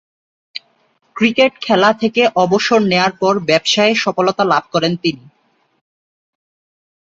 Cricket খেলা থেকে অবসর নেয়ার পর ব্যবসায়ে সফলতা লাভ করেন তিনি।